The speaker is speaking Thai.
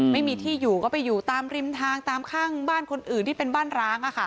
ไม่มีที่อยู่ก็ไปอยู่ตามริมทางตามข้างบ้านคนอื่นที่เป็นบ้านร้าง